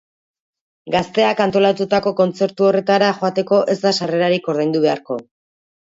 Gazteak antolatutako kontzertu horretara joateko ez da sarrerarik ordaindu beharko.